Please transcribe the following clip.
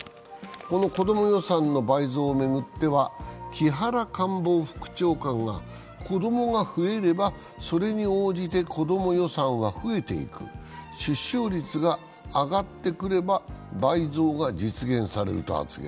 このこども予算の倍増を巡っては、木原官房副長官が子供が増えればそれに応じて子ども予算は増えていく、出生率が上ってくれば倍増が実現されると発言。